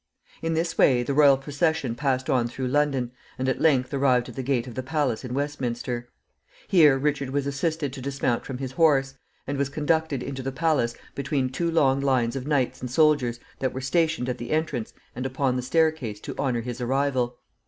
In this way the royal procession passed on through London, and at length arrived at the gate of the palace in Westminster. Here Richard was assisted to dismount from his horse, and was conducted into the palace between two long lines of knights and soldiers that were stationed at the entrance and upon the staircase to honor his arrival.